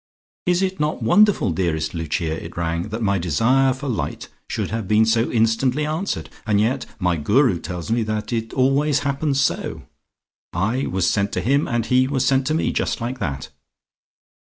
"Is it not wonderful, dearest Lucia," it ran, "that my desire for light should have been so instantly answered? And yet my Guru tells me that it always happens so. I was sent to him, and he was sent to me, just like that!